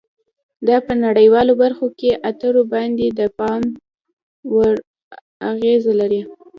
دا په نړیوالو خبرو اترو باندې د پام وړ اغیزه لري